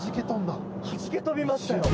弾け飛びましたよ。